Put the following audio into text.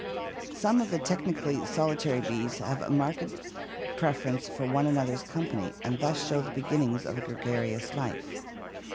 Some of the technically solitary bees have a marked preference for one another's company and thus show the beginnings of gregarious life.